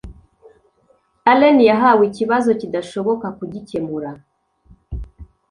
Allen yahawe ikibazo kidashoboka kugikemura.